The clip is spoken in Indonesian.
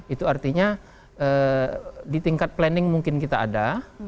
itu artinya di tingkat planning mungkin kita ada